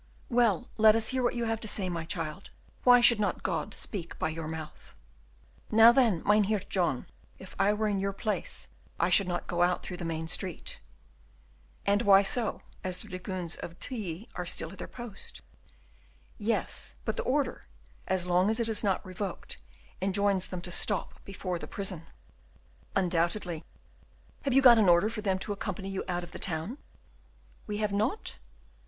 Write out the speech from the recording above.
"Well, let us hear what you have to say, my child. Why should not God speak by your mouth?" "Now, then, Mynheer John, if I were in your place, I should not go out through the main street." "And why so, as the dragoons of Tilly are still at their post?" "Yes, but their order, as long as it is not revoked, enjoins them to stop before the prison." "Undoubtedly." "Have you got an order for them to accompany you out of the town?" "We have not?"